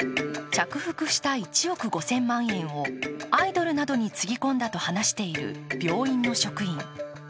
着服した１億５０００万円をアイドルなどにつぎ込んだと話している病院の職員。